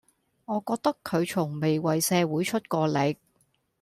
我覺得佢從未為社會出過力